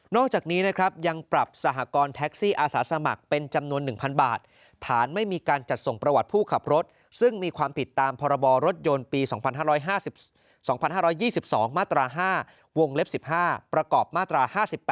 จากนี้นะครับยังปรับสหกรณ์แท็กซี่อาสาสมัครเป็นจำนวน๑๐๐บาทฐานไม่มีการจัดส่งประวัติผู้ขับรถซึ่งมีความผิดตามพรบรถยนต์ปี๒๕๒๒มาตรา๕วงเล็บ๑๕ประกอบมาตรา๕๘